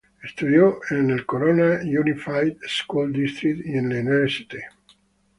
Estudió en el Corona Unified School District y en el St.